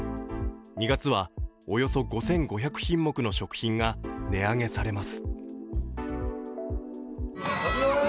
２月はおよそ５５００品目の食品が値上げされます。